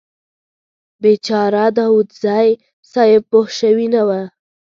بیچاره داوودزی صیب پوه شوي نه و.